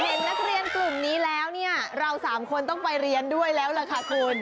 เห็นนักเรียนกลุ่มนี้แล้วเนี่ยเราสามคนต้องไปเรียนด้วยแล้วล่ะค่ะคุณ